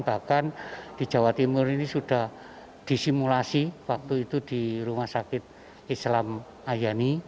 bahkan di jawa timur ini sudah disimulasi waktu itu di rumah sakit islam ayani